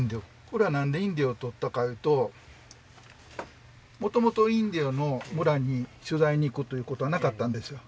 これは何でインディオを撮ったかいうともともとインディオの村に取材に行くということはなかったんですよ